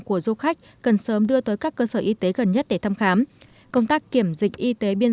của du khách cần sớm đưa tới các cơ sở y tế gần nhất để thăm khám công tác kiểm dịch y tế biên